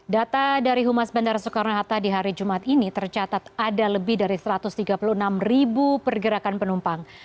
data dari humas bandara soekarno hatta di hari jumat ini tercatat ada lebih dari satu ratus tiga puluh enam ribu pergerakan penumpang